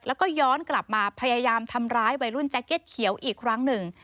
แล้วก็ย้อนกลับมาพยายามทำร้ายวัยรุ่นแจ็คเก็ตเขียวอีกครั้งหนึ่ง